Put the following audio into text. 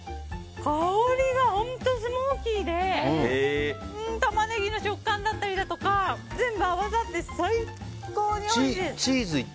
香りが本当にスモーキーでタマネギの食感だったり全部合わさって最高においしい！